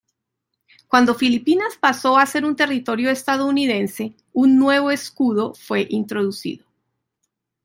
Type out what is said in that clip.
Cuando Filipinas pasó a ser territorio estadounidense, un nuevo escudo fue introducido.